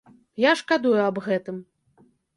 Я шкадую аб гэтым.